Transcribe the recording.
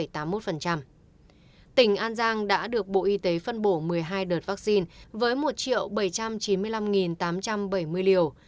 tỉnh an giang đã được bộ y tế phân bổ một mươi hai đợt vaccine với một bảy trăm chín mươi năm tám trăm bảy mươi liều